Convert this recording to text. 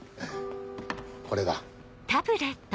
これだ。